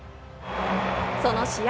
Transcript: その試合